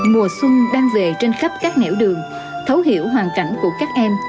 mùa xuân đang về trên khắp các nẻo đường thấu hiểu hoàn cảnh của các em